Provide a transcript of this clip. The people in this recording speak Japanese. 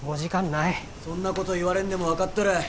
そんなこと言われんでも分かっとる。